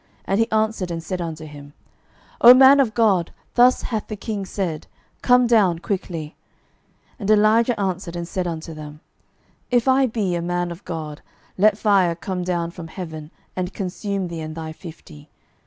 And he answered and said unto him, O man of God, thus hath the king said, Come down quickly. 12:001:012 And Elijah answered and said unto them, If I be a man of God, let fire come down from heaven, and consume thee and thy fifty.